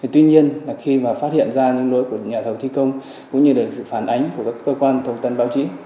tuy nhiên khi mà phát hiện ra những lỗi của nhà thầu thi công cũng như là sự phản ánh của các cơ quan thông tin báo chí